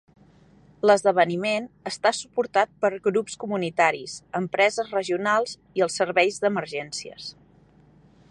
L'esdeveniment està suportat per grups comunitaris, empreses regionals i els serveis d'emergències,